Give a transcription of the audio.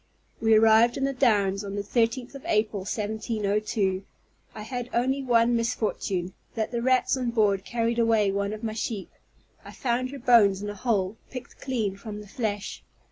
We arrived in the Downs on the 13th of April, 1702. I had only one misfortune, that the rats on board carried away one of my sheep; I found her bones in a hole, picked clean from the flesh.